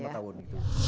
salah satu program